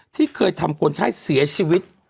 ที่เคยทำคนไข้เสียชีวิต